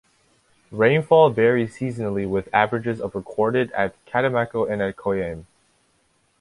Rainfall varies seasonally with averages of recorded at Catemaco and at Coyame.